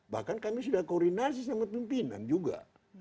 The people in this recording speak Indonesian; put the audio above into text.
bahkan kami sudah koordinasi sama pimpinan juga